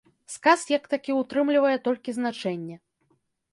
Сказ, як такі ўтрымлівае толькі значэнне.